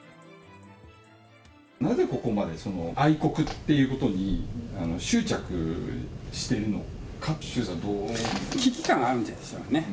なぜここまで愛国ということに執着してるのかって、危機感があるんですよね。